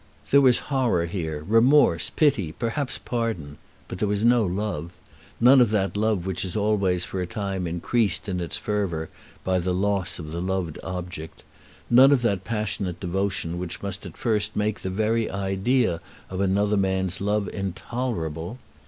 There was horror here, remorse, pity, perhaps pardon; but there was no love, none of that love which is always for a time increased in its fervour by the loss of the loved object; none of that passionate devotion which must at first make the very idea of another man's love intolerable.